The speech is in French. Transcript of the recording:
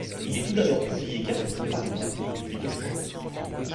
Il est tout d'abord publié quatre fois par mois, puis deux fois.